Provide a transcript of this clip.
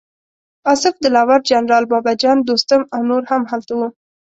اصف دلاور، جنرال بابه جان، دوستم او نور هم هلته وو.